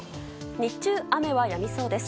日中、雨はやみそうです。